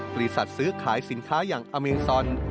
ซื้อขายสินค้าอย่างอเมซอน